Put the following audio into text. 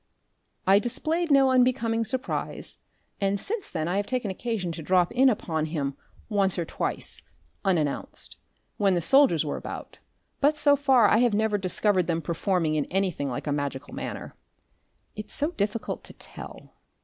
I displayed no unbecoming surprise, and since then I have taken occasion to drop in upon him once or twice, unannounced, when the soldiers were about, but so far I have never discovered them performing in anything like a magical manner. It's so difficult to tell.